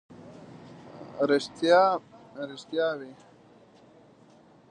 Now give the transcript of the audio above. ریښتیا، ریښتیا وي.